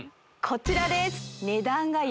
こちらです